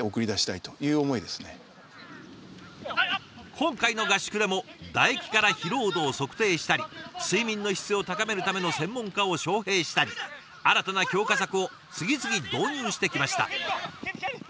今回の合宿でも唾液から疲労度を測定したり睡眠の質を高めるための専門家を招へいしたり新たな強化策を次々導入してきました。